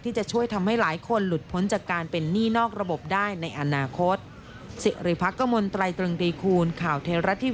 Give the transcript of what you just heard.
จะช่วยทำให้หลายคนหลุดพ้นจากการเป็นหนี้นอกระบบได้ในอนาคต